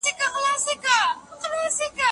او دا انګېزه موږ ته ځواک راکوي.